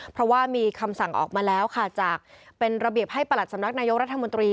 เพราะว่ามีคำสั่งออกมาแล้วค่ะจากเป็นระเบียบให้ประหลัดสำนักนายกรัฐมนตรี